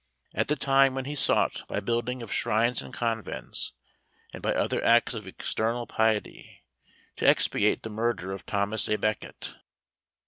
at the time when he sought, by building of shrines and convents, and by other acts of external piety, to expiate the murder of Thomas a Becket.